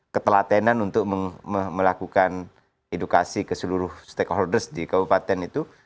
ketelatenan untuk melakukan edukasi ke seluruh stakeholders di kabupaten itu